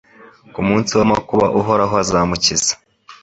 ku munsi w’amakuba Uhoraho azamukiza